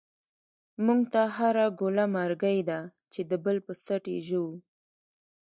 مونږ ته هر گوله مرگۍ دۍ، چی دبل په ست یی ژوو